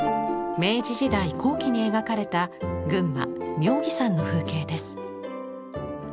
明治時代後期に描かれた群馬・妙義山の風景です。